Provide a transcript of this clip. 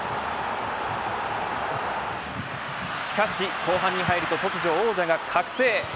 しかし後半に入ると突如王者が覚醒。